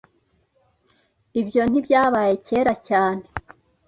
Ibyo ntibyabaye kera cyane.